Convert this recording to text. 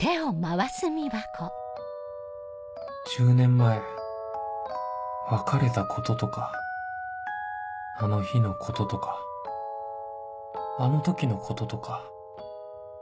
１０年前別れたこととかあの日のこととかあの時のこととか